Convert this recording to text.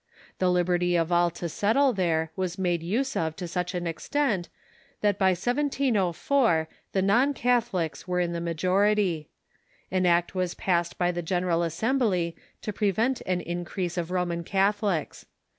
The liberty of all to settle there was made use of to such extent "lew Yoi"'' ^'^^^' ^y ^''^^'^^^^ non Catholics were in the major ity. An act was passed by the General Assem bly to prevent an increase of Roman Catholics.